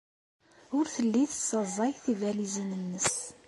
Ur telli tessaẓay tibalizin-nnes.